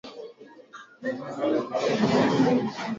Kilele cha Kibo ndio kivutio kikubwa kwa wageni